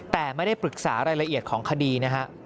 แต่ไม่ได้ปรึกษารายละเอียดของคดีนะฮะ